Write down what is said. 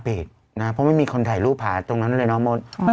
เปิดให้ค่อยออกไปมากไม่หลอกหนึ่งอันตรายพอหักได้